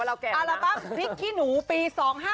อัลบั้มพริกขี้หนูปี๒๕๕